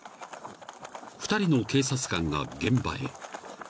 ［２人の警察官が現場へ］